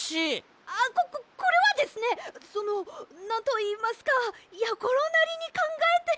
あっこここれはですねそのなんといいますかやころなりにかんがえて。